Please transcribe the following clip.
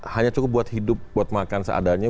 hanya cukup buat hidup buat makan seadanya